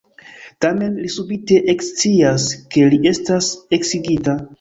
Tamen, li subite ekscias, ke li estas eksigita.